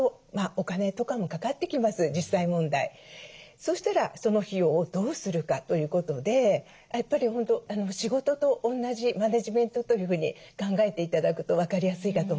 そしたらその費用をどうするかということでやっぱり本当仕事と同じマネジメントというふうに考えて頂くと分かりやすいかと思います。